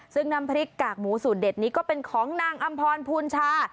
ซึ่งน้ำพริกกากหมูสูตรเด็ดนี้ก็เป็นของนางอำพรพูนชา